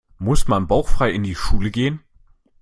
Muss man bauchfrei in die Schule gehen?